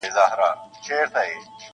سیال له سیال له سره ملګری ښه ښکارېږي-